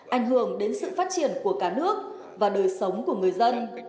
ảnh hưởng đến sự phát triển của cả nước và đời sống của người dân